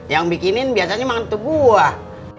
yang bikinin biasanya makan dutuk guah